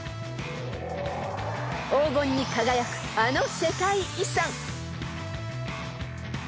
［黄金に輝くあの世界遺産］